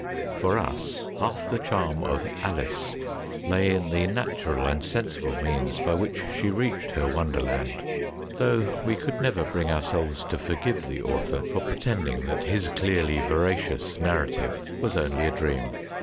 For us half the charm of "Alice" lay in the natural and sensible means by which she reached her wonder land, though we could never bring ourselves to forgive the author for pretending that his clearly veracious narrative was only a dream.